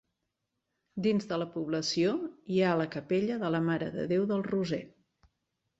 Dins de la població hi ha la capella de la Mare de Déu del Roser.